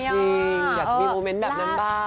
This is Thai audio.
จริงอยากจะมีโมเมนต์แบบนั้นบ้าง